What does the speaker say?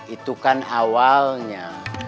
itu kan awalnya